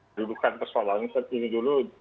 ya dudukkan persoalan seperti ini dulu